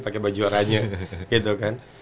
pakai baju oranya gitu kan